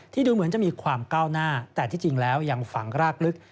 ดูเหมือนจะมีความก้าวหน้าแต่ที่จริงแล้วยังฝังรากลึก